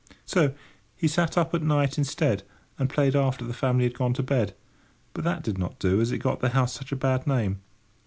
So he sat up at night instead, and played after the family had gone to bed, but that did not do, as it got the house such a bad name.